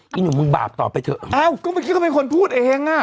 นี่หนูมึงบาปต่อไปเถอะเอ้าก็ไม่คิดว่าเป็นคนพูดเองอะ